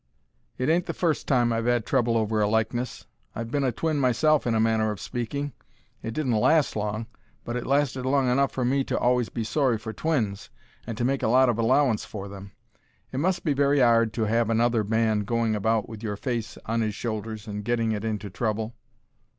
It ain't the fust time I've 'ad trouble over a likeness. I've been a twin myself in a manner o' speaking. It didn't last long, but it lasted long enough for me to always be sorry for twins, and to make a lot of allowance for them. It must be very 'ard to have another man going about with your face on 'is shoulders, and getting it into trouble.